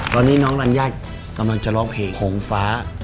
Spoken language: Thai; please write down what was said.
ตอนนี้น้องรัญญากำลังจะร้องเพลงโหงฟ้า